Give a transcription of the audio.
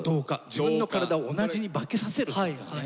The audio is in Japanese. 自分の体を同じに化けさせるってことだね。